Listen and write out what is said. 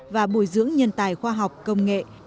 và bồi dưỡng nhân tài khoa học công nghệ